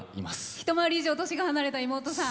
一回り以上年が離れた妹さん。